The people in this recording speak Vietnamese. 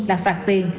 là phạt tiền